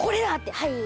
はい。